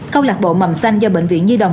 câu lạc bộ mầm xanh do bệnh viện nhi đồng